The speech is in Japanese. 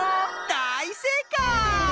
だいせいかい！